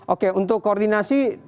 oke untuk koordinasi